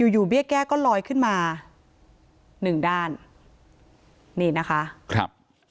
อยู่อยู่เบี้ยแก้ก็ลอยขึ้นมาหนึ่งด้านนี่นะคะครับ